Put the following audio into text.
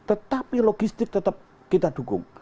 tetapi logistik tetap kita dukung